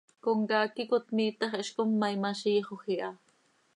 Comcaac iicot miitax hizcom, ma imaziixoj iha.